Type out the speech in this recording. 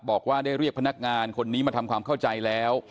บอกว่าได้เรียกพนักงานคนนี้มาทำความเข้าใจแล้ว